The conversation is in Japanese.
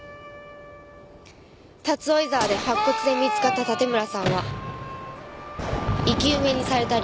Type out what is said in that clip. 竜追沢で白骨で見つかった盾村さんは生き埋めにされた竜。